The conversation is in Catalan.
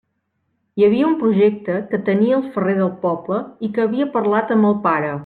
Hi havia un projecte que tenia el ferrer del poble i que havia parlat amb el pare.